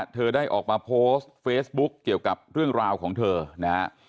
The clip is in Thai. เธอได้ออกมาโพสต์เฟซบุ๊คเกี่ยวกับเรื่องราวของเธอนะฮะ